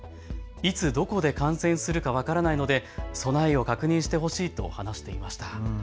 いつどこで感染するか分からないので備えを確認してほしいと話していました。